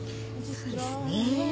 そうですね。